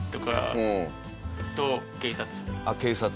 警察。